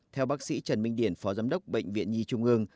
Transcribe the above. theo bác sĩ trần minh điển phó giám đốc bệnh viện nhi trung ương